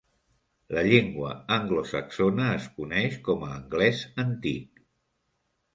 La llengua anglosaxona es coneix com a anglès antic.